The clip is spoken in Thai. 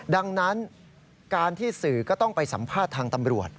ดังนั้นการที่สื่อก็ต้องไปสัมภาษณ์ทางตำรวจ